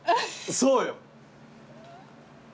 そうよ。